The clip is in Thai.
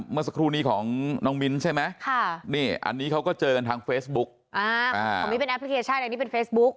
เมื่อสักครู่นี้ของน้องมิ้นใช่ไหมนี่อันนี้เขาก็เจอกันทางเฟซบุ๊กของมิ้นเป็นแอปพลิเคชันอันนี้เป็นเฟซบุ๊ก